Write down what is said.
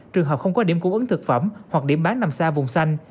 trường hợp không có điểm cung ứng thực phẩm hoặc điểm bán nằm xa vùng xanh